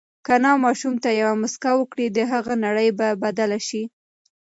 که انا ماشوم ته یوه مسکا ورکړي، د هغه نړۍ به بدله شي.